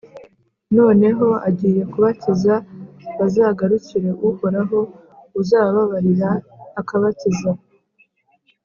noneho agiye kubakiza: bazagarukire Uhoraho uzabababarira, akabakiza.